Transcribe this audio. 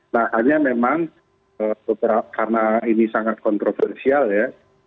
nah hanya memang karena ini sangat kontroversial ya